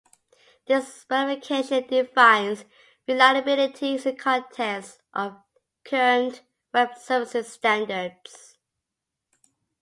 This specification defines reliability in the context of current Web Services standards.